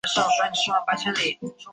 应天府乡试第一百十八名。